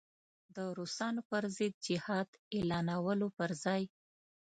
د روسانو پر ضد جهاد اعلانولو پر ځای.